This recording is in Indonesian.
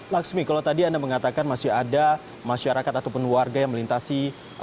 laksmi kalau tadi anda mengatakan masih ada masyarakat ataupun warga yang melintasi